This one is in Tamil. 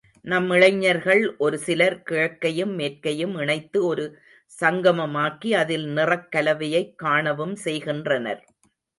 நம் இளைஞர்கள் ஒரு சிலர் கிழக்கையும் மேற்கையும் இணைத்து ஒரு சங்கமமாக்கி அதில் நிறக் கலவையைக் காணவும் செய்கின்றனர்.